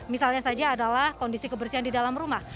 misalnya saja adalah kondisi kebersihan di dalam rumah